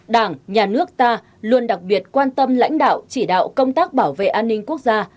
đảng nhà nước ta luôn đặc biệt quan tâm lãnh đạo chỉ đạo công tác bảo vệ an ninh quốc gia